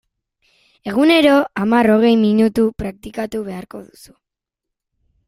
Egunero hamar-hogei minutu praktikatu beharko duzu.